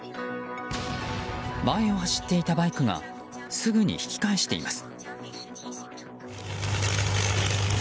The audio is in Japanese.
前を走っていたバイクがすぐに引き返しています。